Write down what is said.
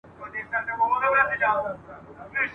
تا به ویل زما د خالپوڅو او بابا کلی دی !.